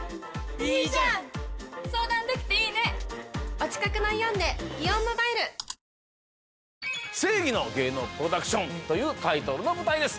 あのへえ「正偽の芸能プロダクション」というタイトルの舞台です